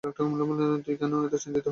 তুই কেন এতো চিন্তিত হচ্ছিস?